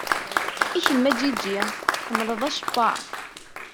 I kemm a Ǧiǧi? Tḥemmleḍ acebbaḍ?